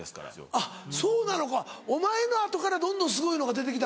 あっそうなのかお前の後からどんどんすごいのが出て来た。